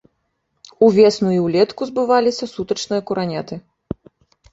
Увесну і ўлетку збываліся сутачныя кураняты.